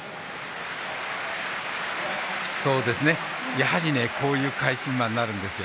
やはりこういう返し馬になるんですよ。